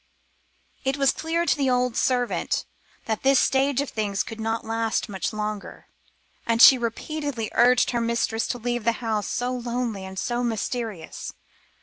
It was clear to the old servant that this state of things could not last much longer, and she repeatedly urged her mistress to leave a house so lonely and so mysterious.